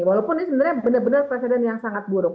walaupun ini sebenarnya benar benar presiden yang sangat buruk